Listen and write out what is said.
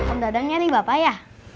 om dadangnya nih bapak ya